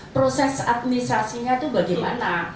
proses administrasinya itu bagaimana